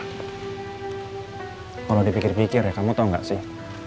kalau dipikir pikir ya kamu tau nggak sih